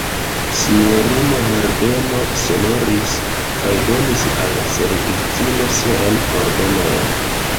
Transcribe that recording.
Sinjorino Herbeno sonoris, kaj donis al la servistino siajn ordonojn.